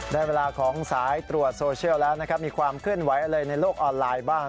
ได้เวลาของสายตรวจโซเชียลแล้วนะครับมีความเคลื่อนไหวอะไรในโลกออนไลน์บ้าง